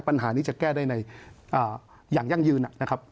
ปัญหานี้จะแก้ได้อย่างยั่งยืนน่ะ